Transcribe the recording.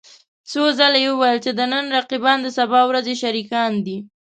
څو ځله يې وويل چې د نن رقيبان د سبا ورځې شريکان دي.